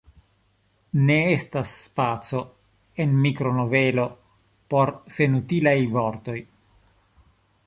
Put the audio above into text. Ne estas spaco en mikronovelo por senutilaj vortoj.